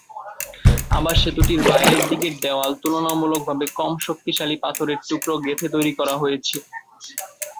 আবার সেতুটির বাইরের দিকের দেওয়াল তুলনামূলকভাবে কম শক্তিশালী পাথরের টুকরো গেঁথে তৈরি করা হয়েছে।